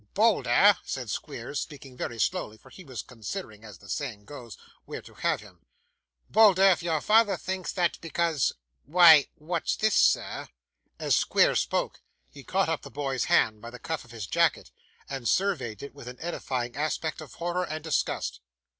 'Bolder,' said Squeers, speaking very slowly, for he was considering, as the saying goes, where to have him. 'Bolder, if you father thinks that because why, what's this, sir?' As Squeers spoke, he caught up the boy's hand by the cuff of his jacket, and surveyed it with an edifying aspect of horror and disgust.